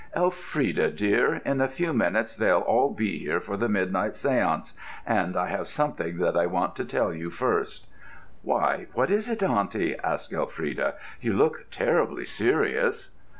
"Elfrida, dear, in a few minutes they'll all be here for the midnight séance; and I have something that I want to tell you first." "Why, what is it, auntie?" asked Elfrida: "you look terribly serious."